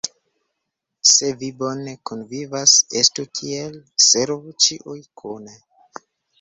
Se vi bone kunvivas, estu tiel: servu ĉiuj kune!